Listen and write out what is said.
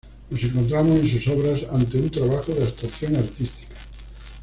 Nos encontramos en sus obras ante un trabajo de abstracción artística.